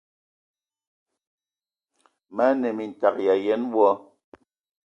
Mə anə mintag yi ayen wɔ!